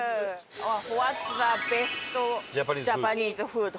ホワッツザベストジャパニーズフード？